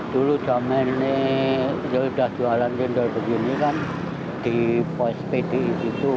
dulu zamannya sudah jualan cendol begini kan di pos pd itu